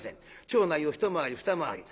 町内を一回り二回り。